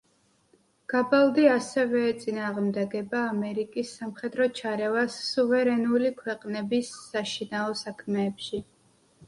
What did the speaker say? გაბალდი ასევე ეწინააღმდეგება ამერიკის სამხედრო ჩარევას სუვერენული ქვეყნების საშინაო საქმეებში.